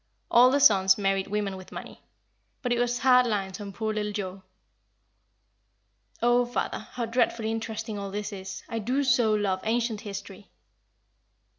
All the sons married women with money. But it was hard lines on poor little Joa." "Oh, father, how dreadfully interesting all this is! I do so love ancient history."